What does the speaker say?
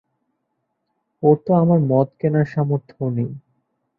ওর তো আমার মদ কেনার সামর্থ্যও নেই।